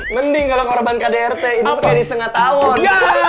mending kalo korban kdrt hidupnya di setengah tahun